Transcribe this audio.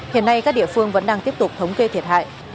hiện nay các địa phương vẫn đang tiếp tục thống kê thiệt hại